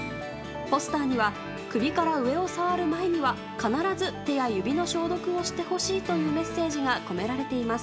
ポスターには首から上を触る前には必ず手や指の消毒をしてほしいというメッセージが込められています。